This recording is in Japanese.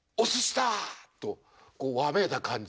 とこうわめいた感じ。